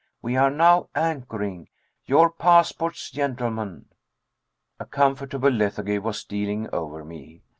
'We are now anchoring.' 'Your passports, gentlemen.'" A comfortable lethargy was stealing o'er me.